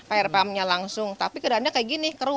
air pumpnya langsung tapi keadaannya kayak gini keruh